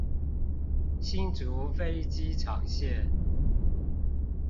新竹飛機場線